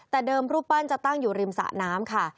แต่เดิมรูปปั้นจะตั้งอยู่ริมสะน้ำค่ะ